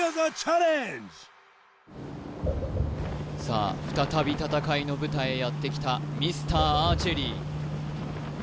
さあ再び戦いの舞台へやってきたミスターアーチェリー